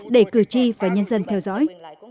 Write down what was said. để cử tri và nhân dân theo dõi